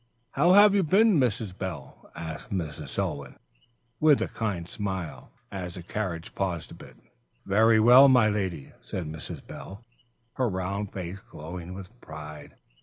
"How have you been, Mrs. Bell?" asked Mrs. Selwyn, with a kind smile, as the carriage paused a bit. "Very well, my lady," said Mrs. Bell, her round face glowing with pride.